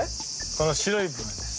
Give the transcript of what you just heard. この白い部分です。